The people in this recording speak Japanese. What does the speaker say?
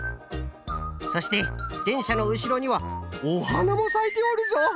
そしてでんしゃのうしろにはおはなもさいておるぞ！